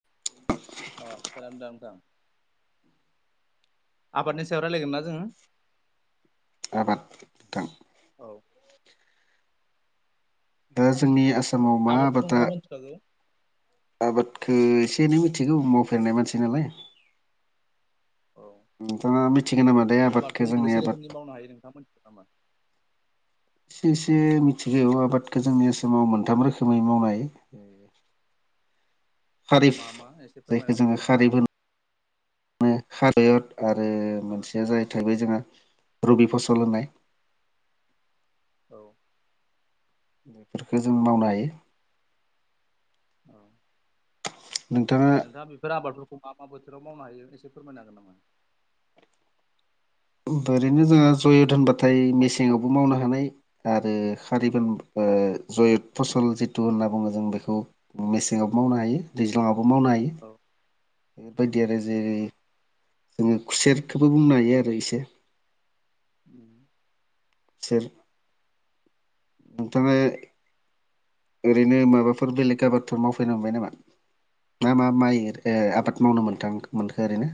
[unintelligible] अ सोरदामखा। आफादनि सायाव रायज्लायगोन ना जोङो। आबाद नथां। औ दा जोंनि आसामाव आबादखौथ' माबादा नोंथाङा मोनथिखागौ। आबाद। एसे एनै मिथिगौ मावफेरनाय मानसि नालाय। औ नोंथाङा मिथिगोन नामा दे आबादखौ जोंनि आबाद आबाद एसे एसे मिथिगौ आबादखौ जोंनि आसामाव मोनथाम रोखोमै मावनाय खारिफ मा मा एसे फोरमायनो जायखौ जोङो हागोन ना नोंथाङा? खारिफ होनो [unintelligible] आरो मोनसेया जाहै थाबाय जोंहा रबि फसल होनाय औ बेफोरखौ जों मावनो हायो औ नोंथाङा बेफोर आबाद मा मा बोथोराव मावनो हायो एसे फोरमायनो हागोन नामा ओरैनो जोंहा जय' धोनबाथाय मेसेङावबो मावनो हानाय आरो खारिफ जयत फसल जिथु होनना बुङो जों बेखौ मेसेङाव मावनो हायो दैज्लाङाव मावनो हायो औ बेफोरबायदि आरो औ जेरै जोङो खुसेरखौबो बुंनो हायो आरो इसे उम सेर नोंथाङा ओरैनो माबाफोर बेलेग आबादफोर मावफैनो मोनबाय नामा मा मा माइ आबाद मावनो मोनथां मोनखो ओरैनो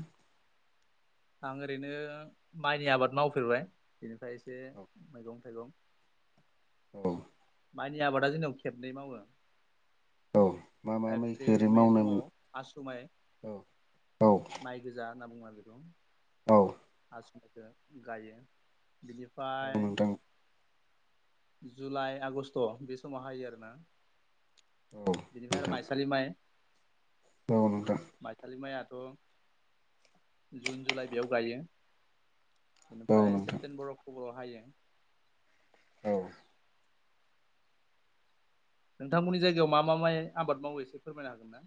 आं ओरैनो माइनि आबाद मावफेरबाय बेनिफ्राय एसे मैगं थाइगं औ माइनि आबादा जोंनियाव खेबनै मावो औ मा मा माइखौ एप्रिल ओरै मे मावना समाव आसु माइ [unintelligible] माइ गोजा होनना बुङो बेखौ औ आसनिखौ गायो औ बिनिफ्राय नोंथां जुलाइ आगस्ट' बे समाव हायो आरोना औ बिनिफ्राय आरो नोंथां माइसालि माइ औ नोंथां माइसालि माइया थ' जुन जुलाइ बेयाव गायो औ बेनिफ्राय नोंथां सेप्तेम्बर अक्ट'बराव हायो। औ नोंथांमोननि जायगायाव मा मा माइ आबाद मावो एसे फोरमायनो हागोन ना?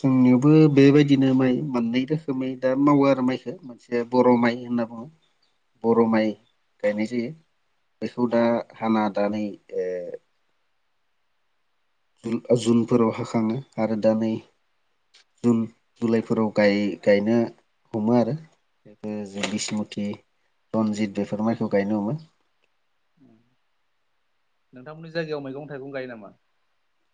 जोंनोबो बेबायदिनो माइ मोननै रोखोमै दा मावो आरो। माइखौ मोनसे बर' माइ माइ होनना बुङो। बर' औ माइ गायनाय जायो। बेखौ दा हाना दानै ओ जुल जुनफोराव हाखाङो आरो दा नै। जुन जुलाइफोराव गाय गायनो हमो आरो। बे जेबिसमति रनजित बेफोर माइखौ गायनो हम [inaudible] नोंथांमोननि जायगायाव मैगं थाइगं गायो नामा?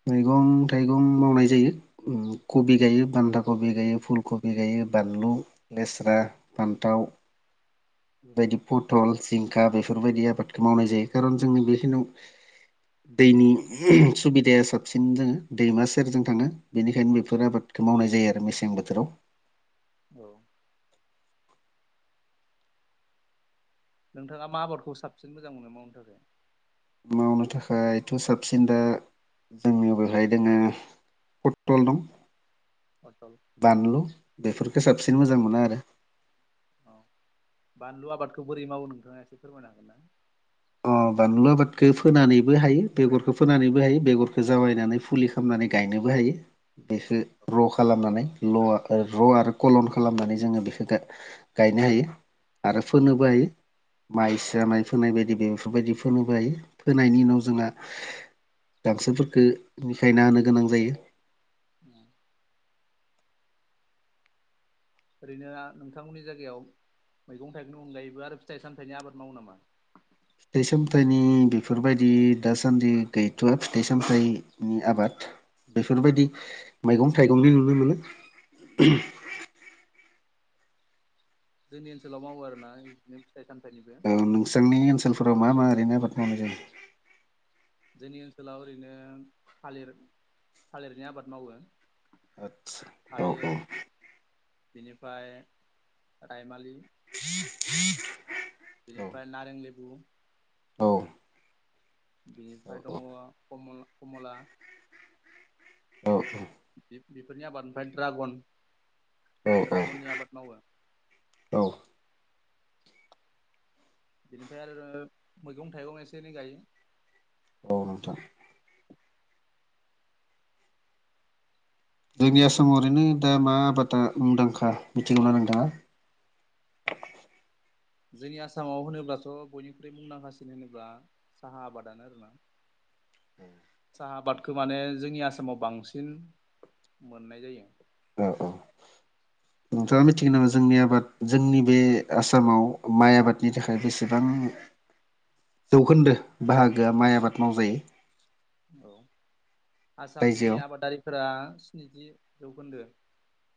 मैगं थाइगं मावनाय जायो उम कबि गायो। बान्दा कबि ओरैनो गायो, फुल कबि गायो। बानलु, लेस्रा, फान्थाव बे बादि पथल, जिंखा बेफोरबायदि आबादखौ मावनाय जायो खारन जोंनि बेखिनाव दैनि सुबिदाया साबसिन जोङो दैमा सेरजों थाङो। बेनिखायनो बेफोर आबादखौ मावनाय जायो आरो मेसें बोथोराव। औ नोंथाङा मा आबादखौ साबसिन मोजां मोनो मावनो थाखाय? मावनो थाखायथ' साबसिन दा जोंनियाव बेेहाय दोङो। फथल दं पटल बानलु बेफोरखौ साबसिन औ मोजां मोनो आरो। बानलु आबादखौ बोरै मावो नोंथाङा एसे फोरमायनो हागोन ना? अ बानलु आबादखो फोनानैबो हायो बेगरखौ फोनानैबो हायो। बेगरखौ जावायनानै फुलि खालामना माने गायनोबो हायो। बेखो र' खालामनानै ल' र' आरो कलन खालामनानै जोङो। बे गा-गायनो हायो। आरो फोनोबो हायो माइ सिया माइ फोनाय बायद दि‌ बेफोरबायदि फोनो फोनायनि उनाव जोंहा गांसो फोरखो सिखारना होनो गोनां जायो। उम ओरैनो आ नोंथांमोननि जायगायाव मैगं थाइगंनि अनगायैबो आरो फिथाइ सामथाइनि आबाद मावो नामा? फिथाइ सामथाइनि बेफोरबायदि दासान्दि गैथ'आ फिथाइ सामथाइनि आबाद बेफोरबायदि मैगं थाइगंनि नुनो मोनो। औ जोंनि ओनसोलाव मावो आरो ना इदिनो। औ नोंसासोरनि ओनसोलफोराव मा मा ओरैनो आबाद मावनाय जायो। जोंनि ओनसोलाव ओरैनो थालिर, थालिरनि आबाद मावो। आदसा औ थालिर औ बिनिफ्राय रायमालि [inaudible] बिनिफ्राय नारें, लेबु औ बिनिफ्राय औ दङ कम-कमला औ औ इ-इफोरनि आबादनिफ्राय ड्रागन औ ड्रागननि आबाद मावो। औ बिनिफ्राय आरो मैगं थाइगं एसे एनै गायो। औ नोंथां जोंनि आसामाव ओरैनो दा मा आबादा मुंदांखा मिथिगौना नोंथांङा? जोंनि आसामाव होनोब्लाथ' बयनिख्रुइ मुंदांखासिन होनोब्ला साहा आबादानो आरोना। साहा आबादखौ माने जोंनि आसामाव बांसिन मोननाय जायो। नोंथांङा मिथिगो नामा जोंनि आबाद जोंनि बे आसामाव माइ आबादनि थाखाय बेसेबां [inaudible] जौखोन्दो बाहागोआ माइ आबाद मावजायो। औ आसामनि रायजोआव आबादारिफोरा स्निजि जौखोन्दो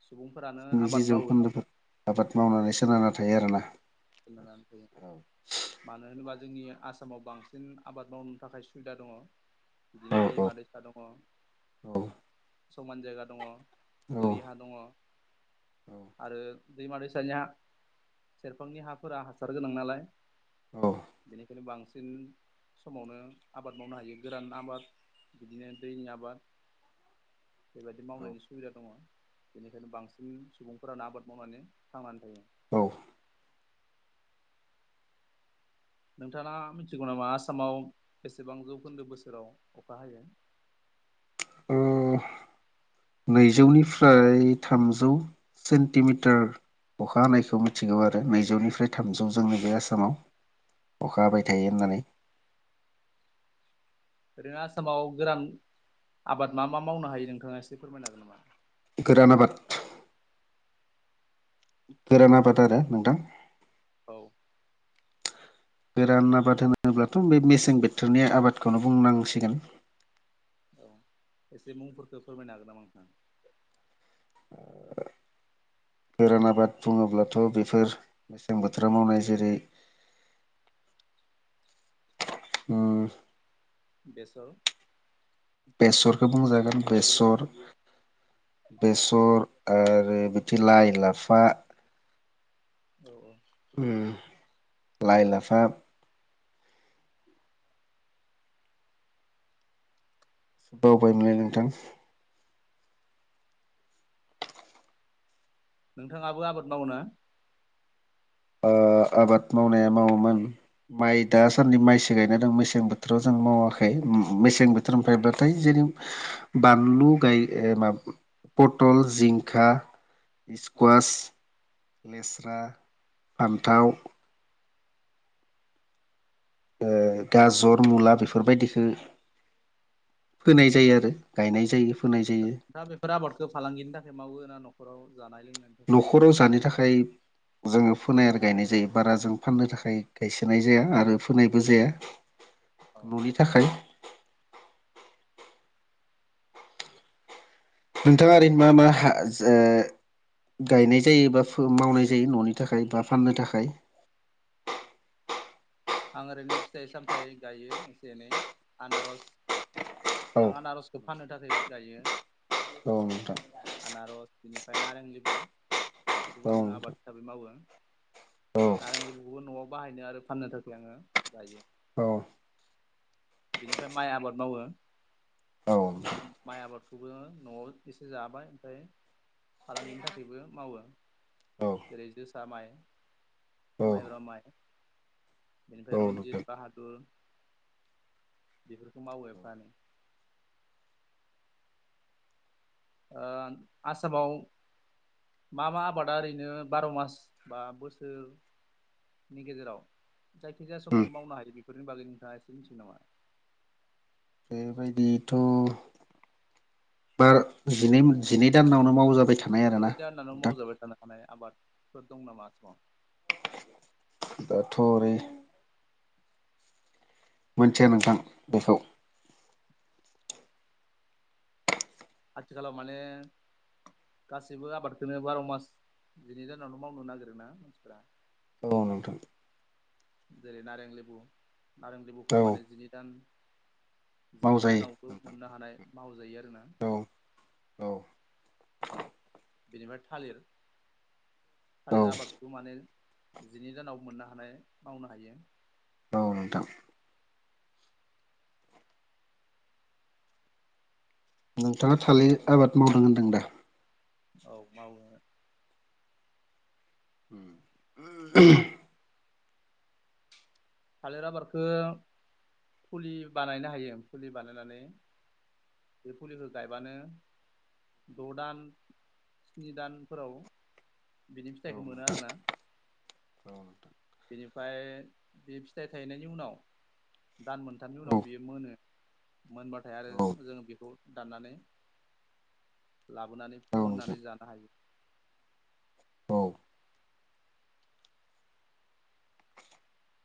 सुबुंफोरानो स्निजि आबाद मावो। जौखोन्दोफोर आबाद मावनानै सोनारना थायो आरोना। [unintelligible] मानो होनोबा जोंनि आसामाव बांसिन आबाद मावनो थाखाय सुबिदा दंङो। औ बिदिनो दैमा दैसा दंङो औ समान जायगा दंङो। बोरि हा दंङ' आरो दैमा दैसानि सेरा बिफांनि हाफोरा हासार गोनां नालाय औ बेनिखायनो बांसिन समावनो आबाद मावनो हायो गोरान आबाद बिदिनो दैनि आबाद बेबायदि मावनायनि सुबिदा दंङ'। बेनिखायनो बांसिन सुबुंफोरानो आबाद मावनानै थांनानै थायो। औ नोंथांङा मिथिगौ नामा आसामाव बेसेबां जौखोन्दो बोसोराव अखा हायो? [inaudible] ओ नैजौनिफ्राय थामजौ सेन्टिमिटार अखा हानायखौ मिथिगौ आरो नैजौनिफ्राय थामजौ जोंनि बे आसामाव। अखा हाबाय औ थायो होननानै ओरैनो आसामाव गोरान आबाद मा मा मावनो हायो नोंथांङा एसे फोरमायनो हागोन नामा? गोरान आबाद गोरान आबाद आरो नोंथां। औ। गोरान आबाद होनोब्लाथ' बे मेसें बोथोरनि आबादखौनो बुंनांसिगोन। औ एसे मुंफोरखौ फोरमायनो हागोन नामा नोंथां? गोरान आबाद बुंङोब्लाथ' बेफोर मेसें बोथोर मावनाय जेरै [inaudible] उम। बेस बेसरखौ बुंजागोन बेसर बेसर आरो बिदि लाइ लाफा औ औ उम लाइ, लाफा बावबायमोनलै नोंथां। नोंथाङाबो आबाद मावो ना? ओ आबाद मावनाया मावोमोन माइ दासान्दि माइसो गायना दं मेसें बोथोराव जों मावाखै मेसें बोथोर मोनफायब्लाथाय जेरै बानलु गाय माबा पटल, जिंखा, औ सकुवास लेस्रा, फान्थाव ओ गाजर, मुला बेफोरबायदिखो फोनाय जायो औ आरो गायनाय जायो। फोनाय जायो दा बेफोर आबादखौ फालांगिनि थाखाय मावो ना न'खराव जानाय लोंनायनि थाखाय मावो न'खराव जानो थाखाय जोङो फोनाय आरो गायनाय जायो बारा जों फाननो थाखाय गायसोनाय जाया आरो फोनायबो जाया। औ न'नि थाखाय नोंथाङा ओरैनो मा मा हा जो गायनाय जायो बा मावनाय जायो न'नि थाखाय बा फाननो थाखाय? [inaudible] आं ओरैनो फिथाइ सामथाइ गायो एसे एनै आनारस औ आं आनारसखौ फाननो थाखाय गायो औ नोंथां आनारस बिनि ओमफ्राय नारें लेबु बेखौबो औ आङो नोंथां आबाद हिसाबै मावो औ नारें लिबुखौबो न'आव बाहायनो आरो फाननो थाखाय आङो जायो। बिनिफाय माइ आबाद मावो। औ माइ आबादखौबो न'आव एसे जाबाय ओमफाय फालांगिनि थाखायबो मावो जेरै जोसा माइ औ माइब्रा माइ बेनिफ्राय औ नोंथां रन्जित, बाहादुर, बेफोरखौ मावो एफा एनै ओ आसामाव मा मा आबादा ओरैनो बार' मास बा बोसोर नि गेजेराव जायखिजाया उम समावनो मावनो हायो बेफोरनि बागै नोंथाङा एसे मिथिगो नामा? बेबायदिथ' बा जि-जिनै दानावनो मावजाबाय था जिनै दान दानाव मावजाबाय थानो हानाय आबादफोर दं नामा आसामाव? दा थ' ओरै मोनथिया नोंथां बेखौ। आथिखालाव माने गासैबो आबादखोनो बार' मास बिनि जाहनाव मावनो नागिरो ना मानसिफ्रा। औ नोंथां। जेरै नारें लेबु नारें लेबुखौ औ माने जिनै दान जिनै मावजायो दानावखौ नोंथां मोननो हानाय मावजायो आरोना। औ औ बेनिफ्राय थालिर। औ थालिर आबादखौ माने जिनै दानाव मोननो हानाय मावनो हायो। औ नोंथां। नोंथाङा थालिर आबाद मावदों होनदों दा? औ मावो। होम थालिर आबादखो फुलि बानायनो हायो फुलि बानायनानै बे फुलिखौ गायबानो द' दान स्नि दानफोराव बिनि औ फिथाइखौ मोनो नोंथां आरो ना। औ नोंथां बेनिफाय बे फिथाइ थायनायनि उनाव दान मोनथामनि औ उनाव बियो मोनो। मोनबाथाय आरो औ जों बेखौ दाननानै लाबोनानै औ नोंथां फोमोननानै जानो हायो। औ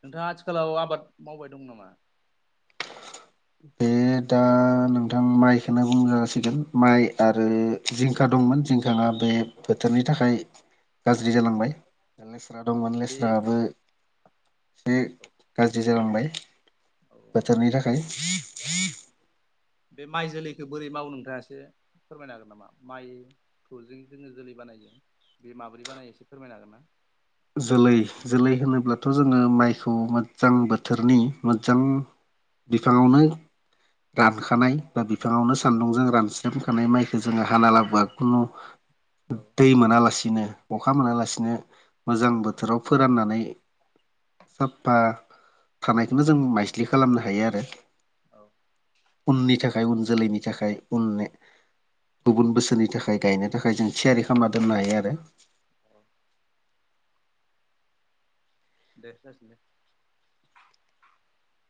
नोंथाङा आथिखालाव आबाद मावबाय दं नामा? बे दा नोंथां माइखौनो बुं जासिगोन माइ आरो जिंखा दंमोन जिंखा दा बे बोथोरनि थाखाय गाज्रि जालांबाय। था ले स्रा दंमोन बे लेस्राबो एसे गाज्रि जालांबाय। औ बोथोरनि थाखाय। बे माइ जोलैखौ बोरै मावो नोंथाङा एसे फोरमायनो हागोन नामा? माइ खौजे जोङो जोलै बानायो। बे माब्रै बानायो एसे फोरमायनो हागोन ना? जोलै जोलै होनोब्लाथ' जोङो माइखौ मोजां बोथोरनि मोजां बिफांआवनो रानखानाय बा बिफाङावनो सान्दुंजों रानस्रमखानाय माइखौ जोङो हाना लाबोआ खुनु औ दै मोनालासिनो अखा मोनालासिनो मोजां बोथोराव फोराननानै साफा थानायखौनो जों माइस्लि खालामनो हायो आरो। औ। उननि थाखाय उन जोलैनि थाखाय उन गुबुन बोसोरनि थाखाय गायनो थाखाय जों थियारि खालामना दोननो हायो आरो। [inaudible] [unintelligible]